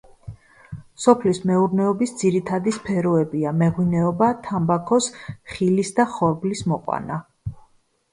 სოფლის მეურნეობის ძირითადი სფეროებია: მეღვინეობა, თამბაქოს, ხილის და ხორბლის მოყვანა.